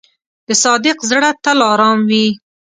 د صادق زړه تل آرام وي.